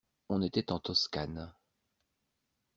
On était en Toscane.